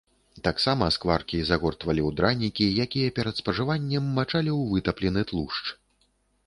Таксама скваркі загортвалі ў дранікі, якія перад спажываннем мачалі ў вытаплены тлушч.